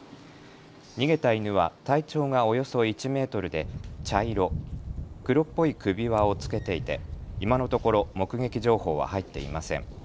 逃げた犬は体長がおよそ１メートルで茶色、黒っぽい首輪を着けていて今のところ、目撃情報は入っていません。